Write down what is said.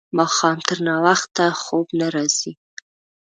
ماښام تر ناوخته خوب نه راځي.